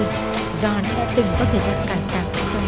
do đó tỉnh có thời gian càng càng trọng trọng